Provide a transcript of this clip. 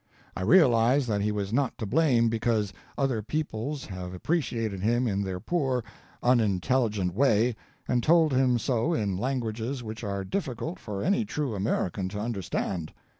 I realize that he was not to blame because other peoples have appreciated him in their poor, unintelligent way, and told him so in languages which are difficult for any true American to understand.